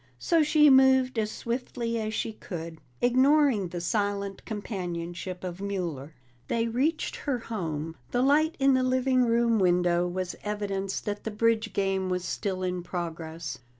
So she moved as swiftly as she could, ignoring the silent companionship of Mueller. They reached her home; the light in the living room window was evidence that the bridge game was still in progress.